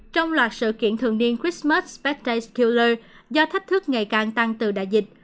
trong loạt sự kiện thường niên christmas spectacular do thách thức ngày càng tăng từ đại dịch